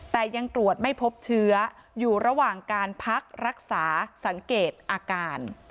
แต่ยังตรวจไม่พบเชื้ออยู่ระหว่างการพักรักษาสังเกตอาการ